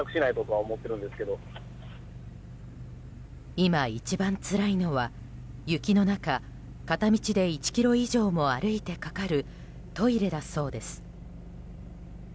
今一番つらいのは、雪の中片道で１ｋｍ以上も歩いてかかるトイレだそうです。